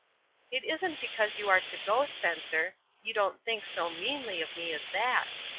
"It isn't because you are to go, Spencer; you don't think so meanly of me as that